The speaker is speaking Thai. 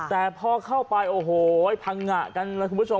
แต่พอเข้าไปโอ้โหพังงะกันเลยคุณผู้ชม